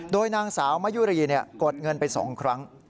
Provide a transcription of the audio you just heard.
โดยนางสาวมะยุรีกดเงินไป๒ครั้ง